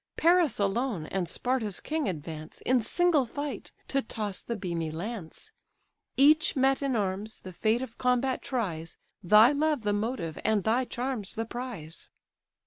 Paris alone and Sparta's king advance, In single fight to toss the beamy lance; Each met in arms, the fate of combat tries, Thy love the motive, and thy charms the prize."